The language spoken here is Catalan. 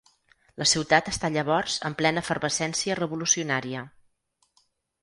La ciutat està llavors en plena efervescència revolucionària.